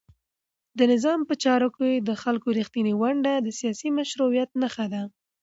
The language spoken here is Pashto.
د نظام په چارو کې د خلکو رښتینې ونډه د سیاسي مشروعیت نښه ده.